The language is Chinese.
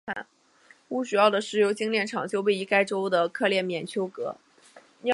乌主要的石油精炼厂就位于该州的克列缅丘格。